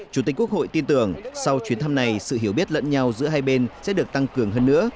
chủ tịch quốc hội tin tưởng sau chuyến thăm này sự hiểu biết lẫn nhau giữa hai bên sẽ được tăng cường hơn nữa